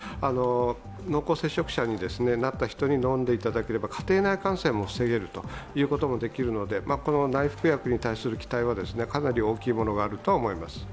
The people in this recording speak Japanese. かつ、濃厚接触者になった方に飲んでいただければ家庭内感染も防げるということもできるのでこの内服薬に対する期待はかなり大きいものがあると思います。